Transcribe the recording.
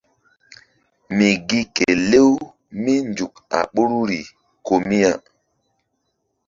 Mi gi ke lew mínzuk a ɓoruri ko mi ya.